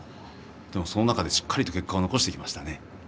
その中で、しっかり結果を残してきましたね。